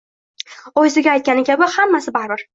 Oyisiga aytgani kabi, Hammasi baribir